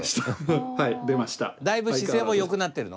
だいぶ姿勢もよくなってるの？